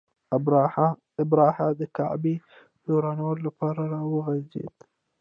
ابرهه د کعبې د ورانولو لپاره را وخوځېد.